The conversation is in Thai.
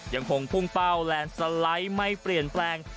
ยังคงพุ่งเป้าแลนด์สไลด์ไม่เปลี่ยนแปลง